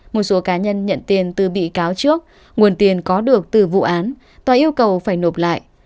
một số cá nhân nhận tiền từ bị cáo trước nguồn tiền có được từ vụ án tòa yêu cầu phải nộp lại